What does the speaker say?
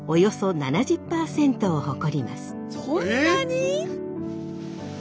そんなに！？